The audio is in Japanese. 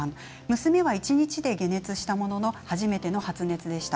娘は一日で解熱したものの初めての発熱でした。